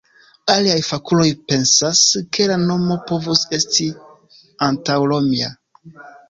Aliaj fakuloj pensas, ke la nomo povus esti antaŭromia.